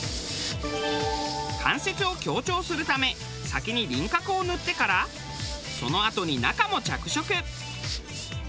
関節を強調するため先に輪郭を塗ってからそのあとに中も着色。